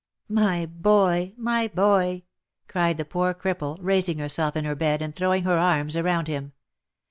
" My boy ! my boy !" cried the poor cripple, raising herself in her bed, and throwing her arms around him.